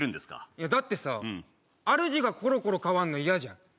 いやだってさあるじがコロコロ変わるの嫌じゃん